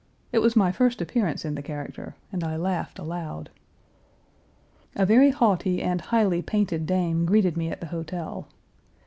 It was my first appearance in the character, and I laughed aloud. A very haughty and highly painted dame greeted me at the hotel.